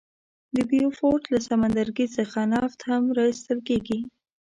د بیوفورت له سمندرګي څخه نفت هم را ایستل کیږي.